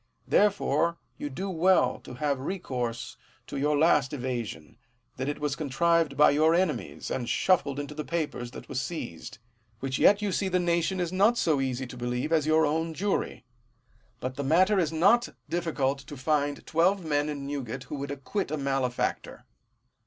Therefore you do well to have recourse to your last evasion, that it was contrived by your enemies, and shuffled into the papers that were seized ; which yet you see the nation is not so easy to believe as your own jury ; but the matter is not difficult to find twelve men in New gate who would acquit a malefactor.